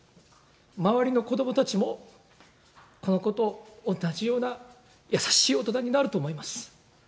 周りの子どもたちも、この子と同じような優しい大人になると思います。